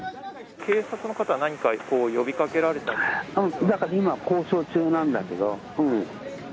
警察の方は何か呼びかけられだから今、交渉中なんだけど。